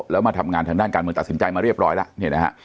แล้วมาทำงานทางด้านการเมืองตัดสินใจมาเรียบร้อยแล้วเนี่ยนะฮะ